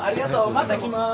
また来ます。